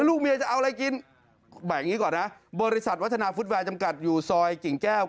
ลูกเมียจะเอาอะไรกินแบ่งอย่างนี้ก่อนนะบริษัทวัฒนาฟุตแวร์จำกัดอยู่ซอยกิ่งแก้ว